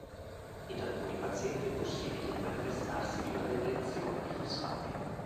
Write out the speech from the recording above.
In alcuni pazienti è possibile il manifestarsi di una deplezione di fosfati.